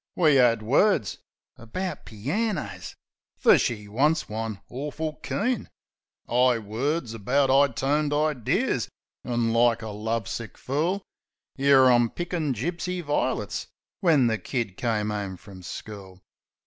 We 'ad words ... about planners fer she wants one awful keen 'Igh words, about 'igh toned idears an', like a love sick fool, 'Ere I'm pickin' gipsy vi'lits when the kid come 'ome frum school.